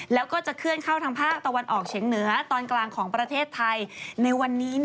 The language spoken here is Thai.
แล้วก็จะเคลื่อนเข้าทางภาคตะวันออกเฉียงเหนือตอนกลางของประเทศไทยในวันนี้